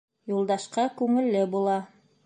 Юлдашҡа күңелле була.